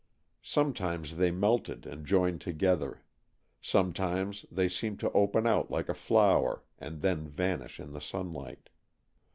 Sometimes they melted and joined together. Sometimes they seemed to open out like a flower and then vanish in the sunlight.